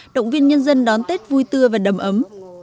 động viên nhân dân đón tết vui tươi và đầm ấm